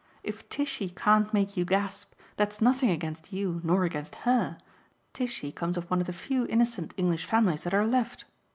If Tishy can't make you gasp, that's nothing against you nor against HER Tishy comes of one of the few innocent English families that are left.